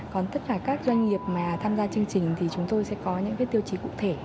còn tất cả các doanh nghiệp mà tham gia chương trình thì chúng tôi sẽ có những tiêu chí cụ thể